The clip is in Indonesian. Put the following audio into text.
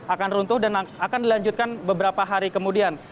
akan runtuh dan akan dilanjutkan beberapa hari kemudian